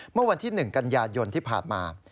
เมื่อวันที่๑กันยายนที่ผ่านมา